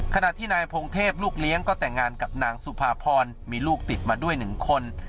ขณะที่นายพงเทพลูกเลี้ยงก็แต่งงานกับนางสุภาพรมีลูกติดมาด้วย๑คน